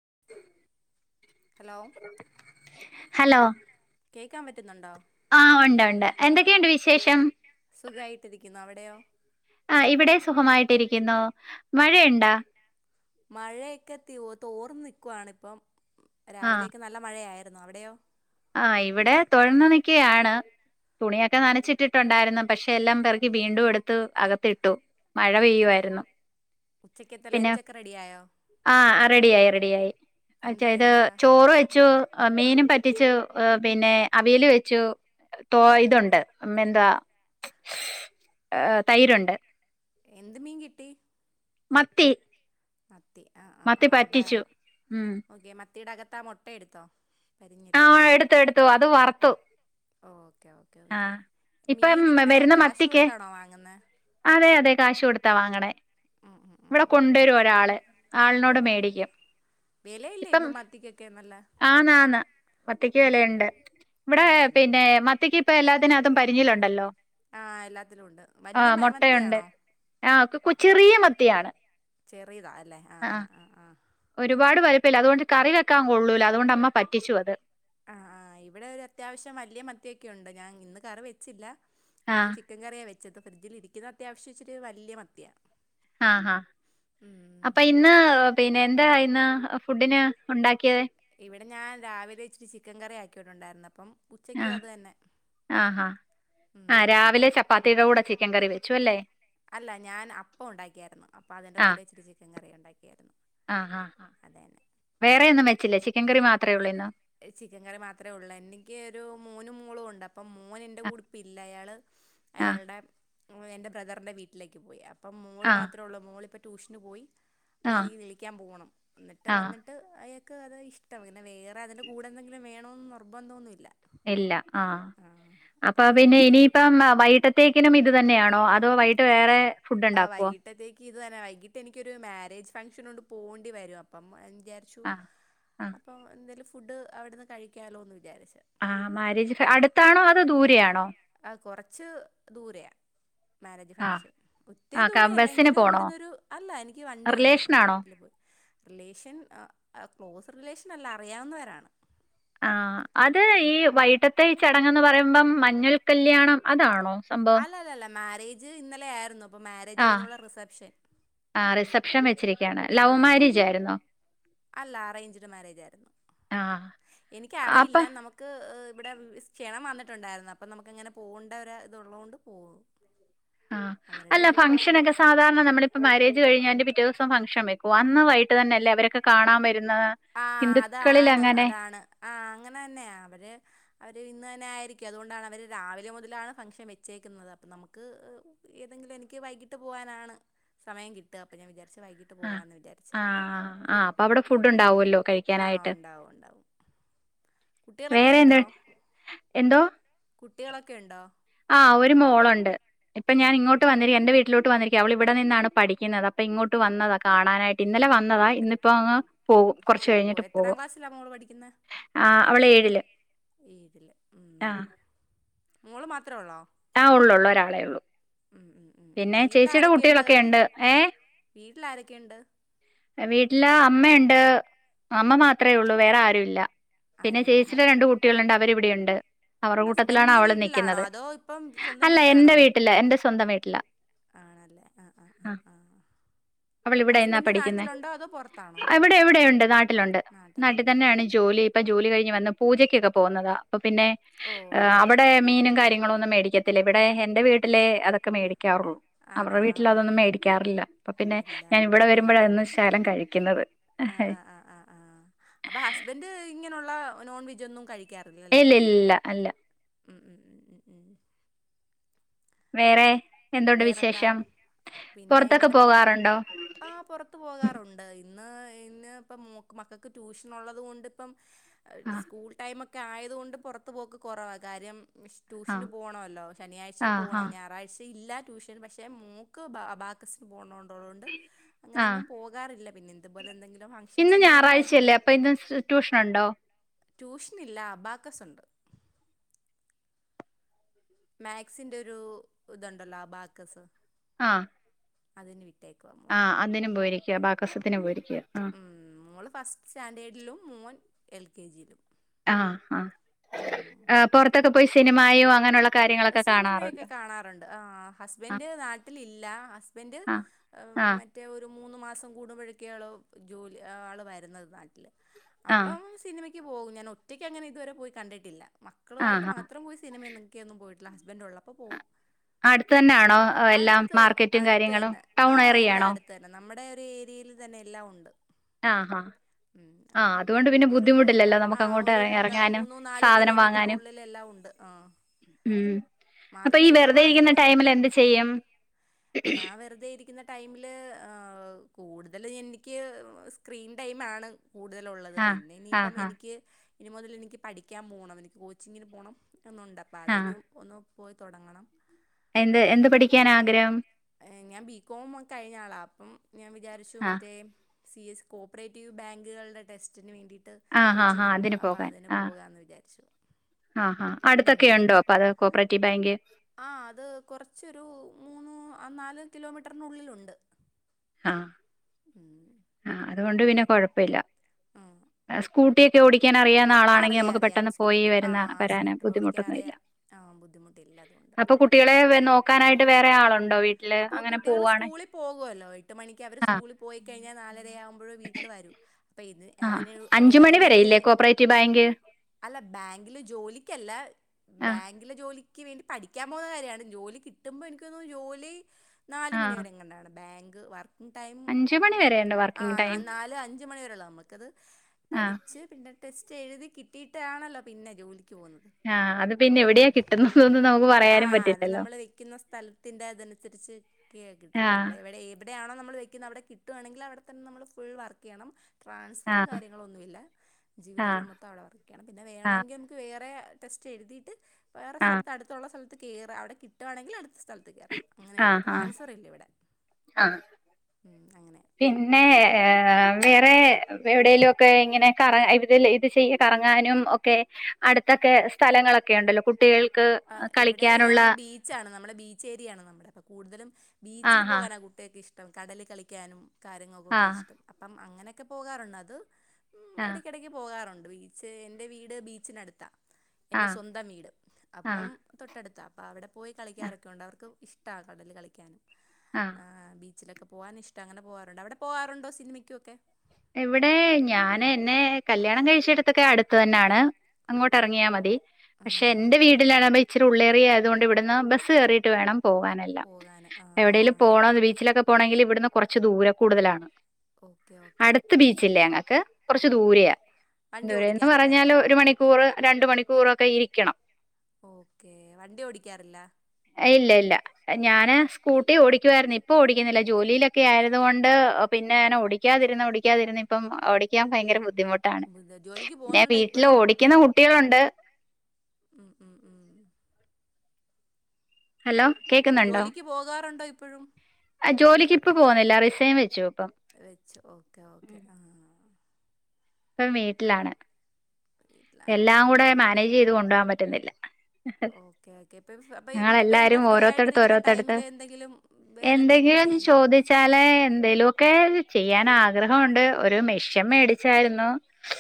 [inaudible] Hello hello കേക്കാൻ പറ്റുന്നുണ്ടോ ആ ഒണ്ട് ഒണ്ട് എന്തൊക്കെയുണ്ട് വിശേഷം സുഖമായിട്ടിരിക്കുന്നു അവിടെയോ ആ ഇവിടെ സുഖമായിട്ടിരിക്കുന്നു മഴയുണ്ടോ? മഴയൊക്കെ ത്യോ തോർന്ന് നിക്കുവാണ് ഇപ്പം ആ രാവിലെയൊക്കെ നല്ല മഴയായ്ര് ആയ്രുന്നു അവിടെയോ ആ ഇവിടെ തൊഴുന്ന് നിക്കയാണ് തുണിയൊക്കെ നനച്ചിട്ടിട്ടുണ്ടായിരുന്നു പക്ഷെ എല്ലാം പേറക്കി വീണ്ടും എടുത്ത് അകത്തിട്ടു. മഴ അകത്തിട്ട് പെയ്യുവായിരുന്നു. ഉച്ചക്കത്തെ പിന്നെ ലഞ്ചൊക്കെ റെഡിയായോ ആ റെഡിയായി റെഡിയായി അത് എന്താ ചെയിതു എന്താ ചോറ് വെച്ചു എ മീനും പറ്റ് പറ്റിച്ചു പിന്നെ അവിയൽ വെച്ചു തോ ഇതുണ്ട് എന്താ ആ തൈരുണ്ട് എന്ത് മീൻ കിട്ടി മത്തി മത്തി ആ ആ മത്തി പറ്റിച്ചു മ്മ് മത്തീടകത്താ മോട്ടയെടുത്തോ ആ എടുത്തു എടുത്തു അത് വറത്തു. ഓക്കെ ഓക്കെ ഇപ്പം മീൻ ഇങ്ങനെ വരുന്ന കാശ് മത്തിക്ക് കൊടുത്താണോ വാങ്ങുന്നത് അതെ അതെ കാശ് കൊടുത്താ വാങ്ങണേ ഉം ഉം ഉം ഇവിടെ ഉം ഉം കൊണ്ടുവരും ഒരാള് ആളിനോട് ഓക്കെ ഓക്കെ മേടിക്കും വിലയില്ലേ ഇപ്പം മത്തിക്കൊക്കെ നല്ല ആന്ന് ആന്ന് മത്തിക്ക് ഉം വിലുണ്ട്. ഇവിടെ ഉം പിന്നെ മത്തിക്ക് ഇപ്പ എല്ലാത്തിനാതും പരിഞ്ഞിലൊണ്ടല്ലോ ആ എല്ലാത്തിലും ഉണ്ട് വല്ല്യ മേ മുട്ടയുണ്ട് മത്തിയാണോ? ആഹ് കു ചെറിയ മത്തിയാണ് ചെറിയതാ അല്ലെ ആ ആ ആഹ് ആ ആ ഒരുപാട് വലപ്പല്ല അതുകൊണ്ട് കറി വെക്കാൻ കൊള്ളൂല അതുകൊണ്ട് അമ്മ പറ്റിച്ചു അത്. ആ ആ ഇവിടെ ഒരു അത്യാവശ്യം വല്ല്യ മത്തിയൊകെയൊണ്ട് ഞാൻ ഇന്ന് കറി വെച്ചില്ല ഞാൻ ആഹ് ചിക്കൻ കറിയാ വെച്ചത് ഫ്രിഡ്ജിൽ ഇരിക്കുന്ന അത്യാ ആവശ്യ ഇച്ചിരി വല്ല്യ മത്തിയാ ആ ആ ഉം അപ്പ ഇന്ന് പിന്നെ എന്താ ഇന്ന് ഫുഡിന് ഉണ്ടാക്കിയത് ഇവിടെ ഞാൻ രാവിലെ ഇചിരി ചിക്കൻ കറി ആക്കീട്ടുണ്ടായിരുന്നു അപ്പം ആ ഉച്ചയ്ക്കും അത് തന്നെ ആ ആ ഉം രാവിലെ ചപ്പാത്തീടെ കൂടെ ചിക്കൻ കറി വെച്ച് വെച്ചു അല്ലേ? അല്ല ഞാൻ അപ്പം ഒണ്ടാക്കിയായിരുന്നു അപ്പൊ അതിന്റെ കൂടെ ഇച്ചിരി ചിക്കൻ കറി ഉണ്ടാക്കിയായിരുന്ന്. ആ ആ വേറെ ഒന്നും വെച്ചില്ലേ ചിക്കൻ കറി മാത്രേയുള്ളൂ ഇന്ന് ചിക്കൻ കറി മാത്രേ ഒള്ളൂ എനിക്ക് ഒരു മോനൂം മോളും ഒണ്ട് അപ് അപ്പം മോൻ എൻ്റെ ആ കൂടിപ്പില്ല അയാൾ അയാൾടെ എൻ്റെ ബ്രദറിൻ്റെ വീട്ടിലേക്ക് പോയി അപ്പ് അപ്പം മോൾ ആ ആ മാത്രേ ഒള്ളൂ മോളിപ്പ ട്യൂഷന് പോയി ഇപ്പ ആ എനിക്ക് വിളിക്കാൻ പോകണം. എന്നിട്ട് ആ വന്നിട്ട് അയാക്ക് അതാ ഇഷ്ടം പിന്നെ വേറെ അതിന്റെ കൂടെ എന്തെങ്കിലും വേണോന്ന് നിർബന്ധോന്നുല്ല ഇല്ല ആ അപ്പൊ അതങ്ങ് പിന്നെ കഴിച്ചേക്കും ഇനിയിപ്പം വൈകിട്ടത്തേക്കിനും ഇത് തന്നെയാണോ അതോ വൈകിട്ട് വേറെ? ഫുഡ് ആ ഉണ്ടാക്കുവോ വൈകിട്ടത്തേക്ക് ഇത് തന്നെ വൈകിട്ട് എനിക്കൊരു മാരേജ് ഫംഗ്ഷൻ ണ്ട് പോകേണ്ടി വരും അപ്പം. വിചാരിച്ചു ആ ആ അപ്പൊ എന്തായാലും ഫുഡ് അവിടുന്ന് കഴിക്കാലോ എന്ന് വിചാരിച്ചു. ആ മാരേജ് അടുത്താണോ അതോ ദൂരെ ആണോ? ആ കൊറച്ച് ദൂരയാ. മാരേജ് ആ ഫംഗഷൻ ആ ഒത്തിരി ക ദൂര ബസ്സിന് അല്ലെങ്കിലും പോണോ ഇവിടന്നൊരു അല്ല എനിക്ക് വണ്ടിയുണ്ട് റിലേഷനാണോ വണ്ടില് പോയി- റിലേഷൻ ക്ലോസ് റിലേഷൻ അല്ല അറിയാവുന്നവരാണ്. ആ അത് ഈ വൈകട്ടത്തെ ഈ ചടങ്ങങ്ന്ന് പറയുമ്പം മഞ്ഞൾ കല്യാണം അതാണോ? സംഭവം അല്ല അല്ല അല്ല മാരേജ് ഇന്നലെ ആയിരുന്നു. അപ്പോൾ മാരേജ് ആ കഴിഞ്ഞുള്ള റിസപ്ഷൻ ആ റിസെപ്ഷൻ വെച്ചിരിക്കയാണ് ആ ലവ് മാരേജ യിരുന്നോ? അല്ല അറേഞ്ച്ഡ് മാരേജ യിരുന്നു ആ എനിക്കറിയില്ല അപ്പൊ നമുക്ക്- ഇവിടെ ക്ഷണം വന്നിട്ടുണ്ടായിരുന്നു അപ്പൊ നമുക്ക് ഇങ്ങനെ പോകേണ്ട ഒ ഇത്ള്ളതത് കൊണ്ട് പോകും. ആ അവരുടെ അല്ല ഫംഗഷനൊക്കെ സാധാരണ നമ്മള് - ഇപ്പ മാരേജ് കഴിഞ്ഞ എന്റെ പിറ്റേ ദിവം ഫങ്ഷൻ വെക്ക അന്ന് വൈകിട്ട് തന്നല്ലേ അവരക്കെ കാണൻറ്- ആ അതാണ് അതാണ് ആ അങ്ങനെ തന്നെയ അവര് അവര് ഇന്ന് തന്ന- അതുകൊണ്ട അവര് രാവിലെ മുതലാണ് ഫാൻക്‌ഷൻ വെച്ചേക്കുന്നത് അ നമുക്ക്- ഏതെങ്കിലും എനിക്ക് ട്ട് പോവനാണ് സമയം കിട്ടുക അപ്പൊഞൻ വിചാരിച്ചു- ആ ആ ആ് അപ്പൊ അവിടെ ഫുഡ് ഉണ്ടാവല്ലോ. ആഹ് ഉണ്ടാവും ഉണ്ടാവും. കുട്ടികളൊക്കെ വേറെ എന്താ ഉണ്ടോ എന്തോ? കുട്ടികളൊക്കെ ഉണ്ടോ? ആഹ് ഒരു മോളുണ്ട് ഇപ്പ ഞാൻ ഇങ്ങോട്ട് മോളുണ്ട് വന്നിരിക്ക എന്റെ വീട്ടിലോട്ട് വന്നിരിക്ക. അവള ഇവിടെ നിന്നാണ് പഠിക്കുന്നത് അപ്പൊ ഇങ്ങോട്ട് വന്നതാണ് കാണാനായിട്ട് ഇന്നലെ വന്ന- താ ഇന്നിപ്പോ അങ് പോകും കുറച്ച് പോകുമോ കഴിഞ്ഞിട്ട് എത്രാം പോകും ക്ലാസ്സിലാണ് മോള് ആ അവള ഏഴില്. ഇതിൽ മോള് മാത്രേ ഉള്ളോ? ആ ഉള്ളൊള്ളു ഒരാളെ ഉള്ളൂ ഉം ഉം ഉം ഉം. പിന്നെ ചേച്ചിയുടെ കുട്ടികളൊക്കെ ഉണ്ട് ഏ വീട്ടിൽ ആരൊക്കെയുണ്ട്? വീട്ടില് അമ്മയുണ്ട് അമ്മ മാത്രമേ ഉള്ളു വേറെ ആരും ഇല്ല. പിന്നെ ആരുമില്ല ചേച്ചിടെ രണ്ട് കുട്ടികളുണ്ട് അവരിവിടെയുണ്ട്. അവരുടെ കൂട്ടത്തിലാണ് ഹസ്ബൻഡിന്റെ അവള് വീട്ടിലാണോ നിക്കുന്നത് അതോ ഇപ്പം സ്വന്തം അല്ല വീട്ടിലാണോ എന്റെ നീ വീട്ടില് എൻ്റെ സ്വന്തം വീട്ടില. ആണല്ലേ ആഹ് ആഹ് ആഹ് ആ അവളിവിടെ നിന്ന ഹസ്ബൻഡ് നാട്ടിലുണ്ടോ അതോ പൊറ ഇവിടെ ഇവിടെയുണ്ട് നാട്ടിലുണ്ട് നാട്ടിൽ നാട്ടിലുണ്ട് തന്നെയാണ് ജോലി ഇപ്പൊ ജോലി കഴിഞ്ഞ് വന്നു. പൂജക്കൊക്കെ പോകുന്നത അപ്പൊ പിന്നെ ഓ ഓക്കെ അവിടെ ഓക്കെ മീനും കാര്യങ്ങളും ഒന്നും മേടിക്കത്തില്ല ഇവി ടെ എന്റെ വീട്ടിലെ അതൊക്കെ മേടി ആ ആ അവർടെ ആ വീട്ടിൽ ആ അതൊന്നും ആ മേടിക്കാറില്ല അപ്പ പിന്നെ ഇല്ല ഞാനിവിടെ ആ വരു മ്പോഴാണ് ശകലം കഴിക്കുന്നത് ആ ആ ആ ഇങ്ങനുള്ള നോൺവെജ് ഒന്നും കഴിക്കാറില്ല ഇല്ലലെ? ഇല്ല ഇല്ല ഇല്ല അല്ല ഏ- വേറെ. എന്തുണ്ട് വേറെന്താ വിശേഷം പിന്നെ പുറത്തൊക്കെ ഇങ്ങനെ പോ പോകാറുണ്ടോ ആ പുറത്തു പോകാറുണ്ട്. ഇന്ന് ഇന്ന് ഇപ്പം മക്കൾക്ക് ട്യൂഷൻ ഉള്ളത് കൊണ്ട് ഇപ്പം ആഹ് സ്കൂൾ ടൈമൊക്കെ. ഒക്കെ ആയതുകൊണ്ട് പുറത്ത് പോക്ക് കുറവാ കാര്യം. ട്യൂഷന് ആഹ് പോകണമല്ലോ ശനിയാഴ്ചയും ആഹ് പോകണം ആഹ് ഞായറാഴ്ച ഇല്ല ട്യൂഷന് പക്ഷെ മോൾക്ക് അബാക്കസിന് പോണോന്നുള്ളത് കൊണ്ട് ആഹ് അങ്ങനെങ്ങും പോകാറില്ല. പിന്നെ ഇതു പോലെന്തെങ്കിലും ഇന്ന് ഞായറാഴ്ചയല്ലേ അപ്പൊ ഇന്ന് ട്യൂഷൻ ഉണ്ടോ? ട്യൂഷനില്ല അബാക്കസുണ്ട്. മാക്സിന്റെ ഒരു ഇതുണ്ടല്ലോ അബാകസ് ആഹ് അതന് വി ആ അന്നിനും പോയിരിക്കുക അബാകസ്ത്തിനും പോയിരിക ഉം മോള് ഫസ്റ്റ് സ്റ്റാൻഡേർഡലും മോൻ എൽ കെ ജിയിലും ആഹ ഉം ആ് പുറത്തൊക്കെ പോയി സിനിമായോ അങ്ങനെയുള്ള കാര്യങ്ങളൊക്കെ സിനിമയൊക്കെ കാണാറുണ്ടോ കാണാറുണ്ട് ആ ആഹ് ഹസ്ബൻഡ് നാട്ടിലില്ല ഹസ്ബൻഡ് ആഹ് ആഹ് മറ്റേ ഒരു മൂന്ന മാസം കൂടുമ്പോഴൊക്കെയാടോ ആളു വരുന്നത് നാട്ടില് ആഹ് അപ്പം സിനിമ പോക ഞൻ ഒറ്റയ്ക്ക് അങ്ങനെ ഇതുവരെ പോയി കണ്ടിട്ടില്ല മക്കളുമായിട്ട് ആഹ് ആഹ് മാത്രം പോയി സിനിമയ നിക്കൊന്നും പോയിട്ടില്ല വണ്ടള്ളപ്പോ പോവും അടുത്ത തന്നൊണോ എല്ലാം അടുത്ത് മാർക്കറ്റും അടുത്ത് കാര്യങ്ങളും തന്നെ ആ ടൗൺ ഏറിയ എല്ലാം ആണോ അടുത്ത് തന്നെ നമ്മുടെ ഏരിയയിൽ തന്നെ എല്ലാം ഉണ്ട് ആ ഉം ആഹ് അപ്പം അതോണ്ട് പിന്നെ ഒരു ബുദ്ധിമുട്ടില്ലല്ലോ ആ നമുക്ക് അങ്ങോട്ട് ഒരു ര- ഇറങ്ങാനും മൂന്നോ നാല് സാധനം വാങ്ങാനും കിലോമീറ്ററിനുള്ളിൽ എല്ലാം ആ.... ഉം അപ്പൊ മാർക്ക് ഈ സൂപ്പർ വെറുതെ ഇരിക്കുന്ന മാർക്കറ്റൊക്കെ ടൈമിൽ എന്ത് തൊട്ടടുത്തുണ്ട് ചെയ്യും? ക്കുന്ന ടൈമില് കൂടുതൽ എനിക്ക് സ്ക്രീൻ ടൈം ആണ് കൂടുതലുള്ളത് ആഹ് പിന്നെ ആഹ് ഇനിയിപ്പം ആഹ് എനിക്ക് ഇനി മുതൽ എനിക്ക് പഠിക്കാൻ പോകണം എനിക്ക് കോച്ചിങ്ങിന് പോകണം എന്നുണ്ട് അപ്പം ആഹ് അതിന് ഒന്ന് പോയി തൊടങ്ങണം എന്ത് എന്ത് പിന്നെ എന്തു പഠിക്കാൻ പഠിക്കാനാ ആഗ്രഹം അഗ്രഹം ഞാൻ ബികോം കഴിഞ്ഞാളാ അപ്പം ഞാൻ വിചാരിച്ചു ആ മറ്റേ സി എസ് കോ ഓപ്പറേറ്റീവ് ബാങ്കുകളുടെ ടെസ്റ്റിന് വേണ്ടിയിട്ട് ആഹ ഹാ ഹാ കോച്ചിങ് ഉണ്ട് അതിന് അപ്പം പോകാൻ അതിന് ആഹ പോകാമെന്ന് വിചാരിച്ചു ആ് ഹാ അടുത്തൊക്കെ ഉം ഉണ്ടോ അത് കോപ്പറേറ്റീ ബാങ്ക് ആ അത് കൊറച്ചൊരു മൂന്ന് നാല് കിലോമീറ്ററിനുള്ളിലുണ്ട് ആ ഉം ആ അതുകൊണ്ട് പിന്നെ കൊഴപ്പില്ല സ്കൂ അറിയ അറിയാം പോയി സ്കൂട്ടർ ആ വരുന്ന വരാന് സ്കൂട്ടർ ബുദ്ധിമുട്ടൊന്നുമില്ല ഓടിക്കാറിയാം ആഹ് ബുദ്ധിമുട്ടില്ല അതുകൊണ്ട് അപ്പൊ കുട്ടികളെ നോക്കാനായിട്ട് വേറെ ആള അപ്പൊ കുട്ടികൾ സ്കൂളിൽ പോകുവല്ലോ എട്ട് മണിക്ക് അവർ ആ സ്കൂളിൽ പോയി കഴിഞ്ഞാൽ നാലരയാവുമ്പോ വീട്ടിൽ വരും അ ഇ ആ അ അഞ്ചു മണി വരെ ഇല്ലേ അതിനുള്ളില് കോപ്പറേറ്റീവ് ബാങ്ക് അല്ല ബാങ്കില് ജോലിക്കല്ല ആ ബാങ്കില് ജോലി ക്ക് വേണ്ടി പഠിക്കാൻ പോകുന്ന കാര്യമാണ് ജോലി കിട്ടുമ്പോൾ എനക്ക്ന്ന ജോലി നാല ആ മണി വരെ എങ്ങണ്ടാണ് ബാങ്ക് വർക്കി ടൈം അഞ്ചു മണി വരെ ഉണ്ട് ആ വർക്കിംഗ് ടൈം നാല് അഞ്ച് അഞ്ച് മണിവ വരെള്ള നമുക്കത് ആ പഠിച്ച് പിന്നെ ടെസ്റ്റ് എഴുതി കിട്ടിയിട്ടാണല്ലോ പിന്നെ ജോലി ആ അത് പിന്നെ എവിടെയാാ കിട്ടുന്നതൊന്നന്ന് നമുക്ക് പറയാനും ആഹ് പറ്റില്ലല്ലോ നുസരിച്ചക്കാ ആ കിട്ടുന്ന നമ്മളെവിടെ ഏതു എവിടെ ആണോ നമ്മൾ വെക്കുന്നത് അവിടെ കട്ടുകയാണെങ്കിൽ അവിടെ തന്നെ നമ്മള് ഫുൾ വർക്കെയ്യണം ആ ട്രാൻസ്ഫറും കാര്യങ്ങളൊന്നുല്ല ആ ജീവിതകാലം മൊത്തം അവിടെ വർക്ക് ചെയ്യണം പിന്നെ ആ വേണമെങ്കിൽ നമുക്ക് വേറെ ടെസ്റ്റ് എഴുതിയിട്ട് വേറെ ആ സ്ഥലത്ത് അടുത്തുള്ള സ്ഥലത്ത് കയറ് അവിടെ കിട്ടുവാണെങ്കിൽ അടുത്ത സ്ഥലത്ത് കയറാം ആഹ് അങ്ങനെയുള്ളൂ ഹ ട്രാൻസ്ഫർ ഇല്ല ഇവിടെ ആ ഉം അങ്ങനെ പിന്നെ വേറെ എവിടെേലും ഒക്കെ ഇങ്ങനെ കറ ഇ ഇത് ചെയ്യ കറങ്ങാനും ഒക്കെ അടുത്തൊക്കെ സ്ഥലങ്ങളൊക്കെ ഉണ്ടല്ലോ കുട്ടികൾ ആ ഇവിടെ ഞാങ്ങ ബീച്ചാണ് നമ്മുടെ ബീച്ച് ഏരിയാണ് നമ്മുടെ അപ്പൊ കൂടുതലും ബീച്ചിൽ ആഹാ പോകൻ ആ കുട്ടികക്കെ ഇഷ്ടം കടല് കളിക്കാനും കാര്യങ്ങൾക്കൊക്കെ ആഹ് ഇഷ്ടം അപ്പം അങ്ങനെയൊക്കെ പോകാറുണ്ട് അത് ആഹ് ഇടയ്ക്കിടക്ക് പോകാറുണ്ട് ബീച്ച് എന്റെ വീട് ബീച്ചിനടുത്താ എന്റെ ആഹ് സ്വന്തം വീട് അപ്പം ആഹ് തോ എടുത്താണ് അപ്പോൾ അവിടെ പോയി ആഹ് കളിക്കാറൊക്കെണ്ട് അവർക്ക് ഇഷ്ടാ കടലി കളിക്കാൻ ആഹ അച്ചിലൊെ പോാനൻ ഇഷ്ട അങ്ങെ പോാറുണ്ട്വിടെ പോാറണ്ടോ സിനിമക്കൊക്കെ ഇവിടെ ഞാൻെ എന്നെ കല്യാണം കഴിച്ചെടുത്തൊക്കെ അടുത്തന്നെയാണ് അങ്ങോട്ടേറങ്ങിയാ മതി ആ പക്ഷേ എന്റെ വീട് ലബീച്ച് ഉള്ളേരിയ ആയതോണ്ട് ഇവിടുന്ന് ബസ്സ്‌ കേറീട്ട് വേണം പോവാനെല്ലാം പോകാൻ ആ ആ ആ എവിടേലും പോണ ബീച്ചിലൊക്കെ പൊണെങ്കില് ഇവിടെന്ന് കൊറച് ദൂര കൂടുതലാണ് ഓക്കെ ഓക്കെ അടുത്ത് ബീച്ചില്ല ഞങ്ങക്ക് കൊറച്ച് ദൂരയാ വണ്ടി ദൂരെണ്ട്‌ ഓടിക്കാറില്ലേ പറഞ്ഞാൽ ഒരു മണിക്കൂർ രണ്ട് മണിക്കൂറൊക്കെ ഇരിക്കണം ഓകെ വണ്ടി ഓടിക്കാറില്ലാ എ ഇല്ല ഇല്ല ഞാന് സ്കൂട്ടി ഓടിക്കുവാർന്നെ ഇപ്പൊ ഓടിക്കുന്നില്ല ജോലിയിലൊക്കെ ആയത് കൊണ്ട് പി പിന്നെ ഞാൻ ഓടിക്കാതെ ഓടിക്കാതിരുന്നിപ്പം ഓടിക്കാൻ ഭയങ്കര ബു ദ്ദി മുട്ടാണ് ജോലിക്ക് പിന്നെ പോകുന്നുണ്ടോ വീട്ടില് ഇപ്പോഴും ഓടിക്കുന്ന കുട്ടികളുണ്ട് [inaudible] ഉം ഉം ഉം ഹലോ കേക്കുന്നുണ്ടോ ജോലിക്ക് പോകാറുണ്ടോ ഇപ്പഴും ആ ജോലിക്ക് ഇപ്പ പോകുന്നില്ല റിസൈൻ വെച്ചോ വെച്ച് ഒകെ ഒകെ ആ ഇപ്പം വീട്ടിലാണ് വീട്ടിലാണ് എല്ലാം കൂടെ മാനേജ് ചെയ്ത് കൊണ്ടോകാൻ പറ്റുന്നില്ല ഒക്കെ ഒകെ ഇപ്പം ഇപ്പയെന്താ ഞങ്ങളെല്ലാരും ഫ്രീയായിട്ട് ഓരോരുത്തടുത്ത് ഇരിക്കുന്ന ഓരോരുത്തടുത്ത് ടൈമില് എന്തെങ്കിലും വേറെന്തെങ്കിലും എന്തെങ്കിലും ചോദിച്ചാല് എന്തെലൊക്കെ കി ചെയ്യാന് ആഗ്രഹഉണ്ട് ഒരു മിഷൻ മേടിച്ചായിരുന്നു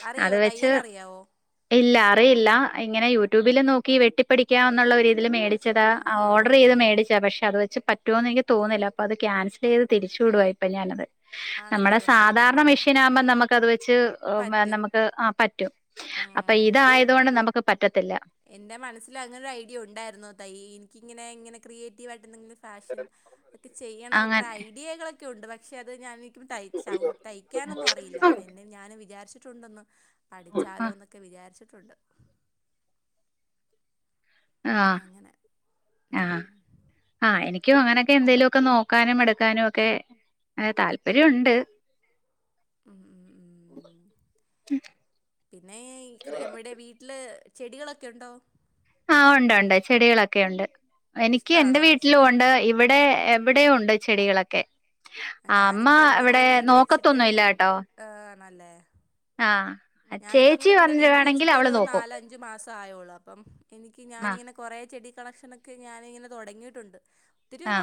അറിയോ അത് വെച്ച് തയ്യൽ അറിയോ ഇല്ല അറിയില്ല ഇങ്ങനെ യൂറ്റ്ബില് നോക്കി വെട്ടിപ്പടിക്കാ ന്ന് ള്ള ഒരി തിൽ മേടിച്ചതാ ആ അ ഓർഡർ ചെയ്ത് മേടിച്ചതാ പക്ഷെ അ പറ്റൊന്ന എനിക്ക് തോന്നിണില്ല അത് കാൻസൽ ചെയ്ത് തിരിച്ചു വിടുവാ ഞാനിപ്പത് ആണല്ലേ നമ്മുടെ പക്ഷേ ശദാരണ ഇരുന്നല്ല മിഷ്യനാവുഭം നമ്മക്ക് അത് വച്ചു ന പറ്റും നമുക്ക് പറ്റും അപ്പൊ ഇതായത് കൊണ്ട് നമുക്ക് പ.. എന്റെ മനസ്സിലങ്ങനെ ഒരയ്ടിയ ഉണ്ടായിരുന്നു ത എനിക്കിങ്ങനെ ഇങ്ങനെ ക്രിയേറ്റേവയിട്ട് ന്തെങ്കിലും ഫാഷൻ ഒക്കെ ചെയ്യണന്നൊക്കെ അങ്ങനെ ഐഡികൾ ഒക്കെ യുണ്ട് പക്ഷേ അത് ഞാന് നിക്ക് തൈ തൈച്ചാ തൈക്കാനൊന്നും അറിയില്ല പിന്നെ ഞാൻ വിചാരിച്ചിട്ടുണ്ട് ആ പഠിച്ചാലോന്ന് ക്ക വിചാരിച്ചിട്ടുണ്ട് ആ അങ്ങനെ ആ ഹ എനി ഇക്കൂ അങ്ങനെക്കൊ നോക്കാനും എടുക്കാനും ഒക്കെ താൽപ്പര്യം ഉണ്ട് ഉം ഉം ഉം പിന്നെ ക്ര എവിടെ വീട്ടില് ചെടികളൊക്കെ ഉണ്ടോ ആ ഉണ്ട് ഉണ്ട് ചെടികളൊക്കെ ഉണ്ട് എനിക്ക് എന്റെ ഇഷ്ടമാണോ ചെടികൾ വീട്ടിലുണ്ട് ഇവിടെ എ ഇവിടെയുണ്ട് ചെടികളൊക്കെ അമ്മ ഞാനിപ്പം ഞങ്ങൾ ഇവിടെ വീട് വെച്ചിട്ട് നോക്കത്തൊന്നുല്ലാ ട്ടോ ആ ആ, ചേച്ചി ഞാനിപ്പങ്ങള് ഇവിടെ വീട് വന്നിരുവാണെങ്കിൽ അവള് വെച്ചിട്ടൊരു നോക്കും നാലഞ്ചു മസായ ഒള്ളു അപ്പം എനിക് ആ ഞാനിങ്ങനെ കൊറേ ചെടി കളക്ഷൻ ക്കെ ഞാനിങ്ങനെ തുടങ്ങിയിട്ടുണ്ട് ആ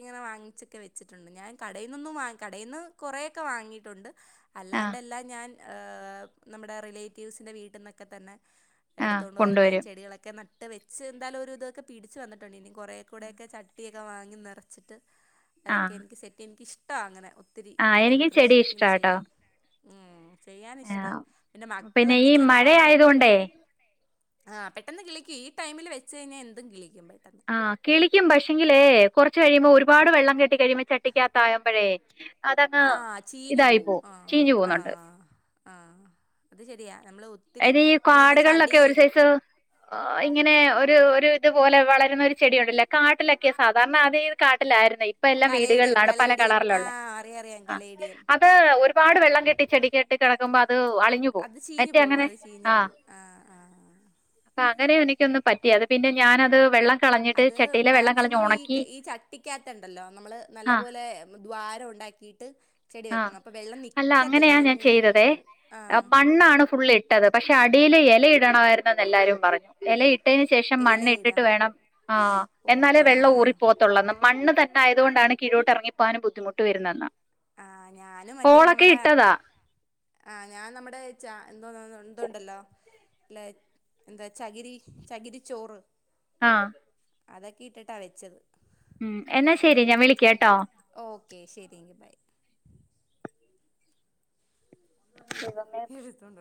ഇങ്ങനെ വാങ്ങിച്ചൊക്കെ വെച്ചിട്ടുണ്ട് ഞാൻ കടേന്നൊന്നും വാ കടെന്നു കൊറേക്കെ വാങ്ങിയിട്ടുണ്ട്. ആ ആ അല്ലാണ്ടെല്ലാം ഞാൻ ങ് നമ്മടെ റിലേറ്റീവ്സിന്റെ വീട്ടീന്നൊക്കെ തന്നെ ആ എടുത്തോണ്ട് വരുന്ന കൊണ്ടുവരും ചെടികളൊക്കെ ന ട്ട് വെച്ച് ന്താലു ഒര് തൊക്കെ പിടിച് വന്നിട്ടുണ്ട് ഇനിം കുറേ കൂടെക്കെ ചട്ടിക്കെ വാങ്ങി നെറച്ചിട്ട് ആ അതൊക്കെ എനിക്ക് സെറ്റ് എനികിഷ്ട്ട അങ്ങനെ ഒത്തിരി ആ ഇങ്ങനെ എനിക്ക് ചെടി കൃഷി ഇങ്ങനെ ഇഷ്ടാട്ടോ ചെയ്യാ ആ ചെയ്യാനിഷ്ട്ടാ പിന്നെ ഈ മഴയായത് കൊണ്ട് ആ പെട്ടെന്ന് കിളിക് ഈ ടൈമിൽ വെച്ച് കഴിഞ്ഞാൽ എന്തും കിളി ആ കിളിക്കും പക്ഷേങ്കിലേ കൊറ ചെയ്യുമ്പ ഒരു പാട് വെള്ളം കെട്ടികഴിയുമ്പം ചട്ടിക്കകതാവുമ്പള് ആ ചീഞ്ഞ് പോവും അ ചീഞ്ഞു ആ പോകുന്നുണ്ട് ആ അത് ശരിയാ നമ്മള് ഒത്തിരി എടി ഇങ്ങനെ കാടുകളിലൊക്കെ ചടി ഒരു സൈസ് ഇങ്ങനെ ഒര്.. തു പോലെ വളരുന്ന ഒരു ചെടിയുണ്ടല്ലോ കാട്ടിലൊക്കെ സാദാരണ ആദ്യം കാട്ടിലാണ് ഇപ്പ എല്ലാം കലേഡിയം വീടുകളിലാണ് പല കലേഡിയം കളറിലുള്ള ആഹ് അറിയാം അറിയാം ആ കലേഡിയം അത് ഒരുപാട് വെള്ളം കെട്ടി ചെടിക്ക് കിടക്കുമ്പോ അത് അളിഞ്ഞു പോവും ഓ അത് ചീഞ്ഞു പോകും ആ ആ അപ്പ അങ്ങനെയ എനിക്കൊന്ന് പറ്റി അത് പിന്നെ ഞാനത് വെള്ളം കളഞ്ഞിട്ട് അത് ചട്ടിയിലെ വെള്ളം കളഞ്ഞ് മാക്സിമം ഈ ഉണക്കി ഈ ചട്ടിക്കാത്തുണ്ടല്ലോ നമ്മള് നല്ല ആ പോലെ ദ്വാരം ഉണ്ട ക്കിയിട്ട് ചെടി ആ വെക്കണം അപ്പൊ വെള്ളം അല്ല അങ്ങനെയാ നിക്കത്തില്ല ഞാൻ അതങ്ങ് ചെയ്തതേ ഊർന്നു പോവും ആ മണ്ണാണ് ഫുള്ള് ഇട്ടത് പക്ഷെ അടിയിൽ ഇലയിടണമായിരുന്നുന്ന് എല്ലാരും പറഞ്ഞു ഇലയി ട്ടതിന് ശേഷം മണ്ണ് എലയിടാ ഇട്ടിട്ട് വേണം ആ ഓ എന്നാലേ വെള്ളം ഊറി ആഹ് പോത്തുള്ളെന്ന് മണ്ണ് തട്ട അതുകൊണ്ടാണ് കീഴോട്ടിറങ്ങിപ്പോകാനും ബുദ്ധിമുട്ട് വരുന്നതെന്ന ആ ഞാനും മറ്റേ നമ്മുടെ ആ ഞാൻ നമ്മുടെ ച എന്തോന്ന് ഉണ്ടല്ലോ ഇല്ല എന്താ ചകിരി ചകിരിച്ചോറ് ആ അതൊക്കെ ഇട്ടിട്ടാ വെച്ചത് ഉം എന്നാ ശെരി ഞാൻ വിളിക്കട്ടോ ഓക്കെ ശരിയെങ്കിൽ ബൈ എടുത്തോണ്ട് [inaudible]